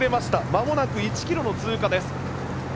まもなく１ｋｍの通過です。